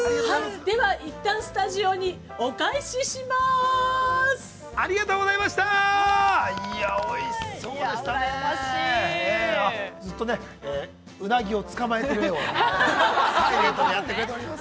◆では一旦スタジオに、お返しします。